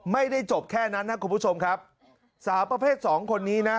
ไม่ได้จบแค่นั้นนะคุณผู้ชมครับสาวประเภทสองคนนี้นะ